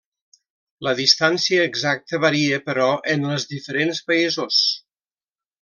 La distància exacta varia, però, en els diferents països.